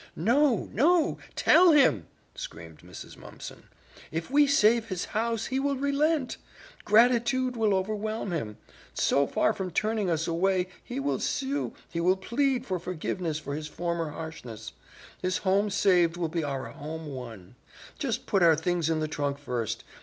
"No, no, tell him!" screamed Mrs. Mumpson. "If we save his house he will relent. Gratitude will overwhelm him. So far from turning us away, he will sue, he will plead for forgiveness for his former harshness; his home saved will be our home won. Just put our things in the trunk first.